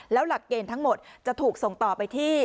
แล้วหลักเกณฑ์ทั้งหมดจะถูกส่งต่อไปที่